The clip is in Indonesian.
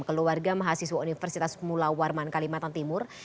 keluarga mahasiswa universitas mula warman kalimantan timur